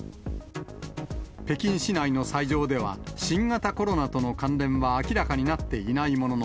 北京市内の斎場では、新型コロナとの関連は明らかになっていないものの、